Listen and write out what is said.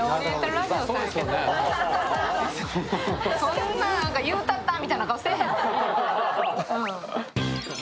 そんな、言うたった！みたいな顔せんでも。